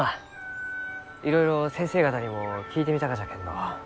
いろいろ先生方にも聞いてみたがじゃけんど